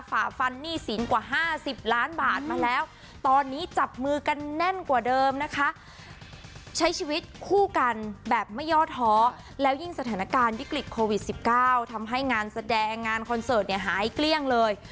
ฝ่าฟันหนี้สินกว่า๕๐ล้านบาทมาแล้วตอนนี้จับมือกันแน่นกว่าเดิมนะคะใช้ชีวิตคู่กันแบบไม่ย่อท้อแล้วยิ่งสถานการณ์วิกฤตโควิด๑๙ทำให้งานแสดงงานคอนเสิร์ตเนี่ยหายเกลี้ยงเลย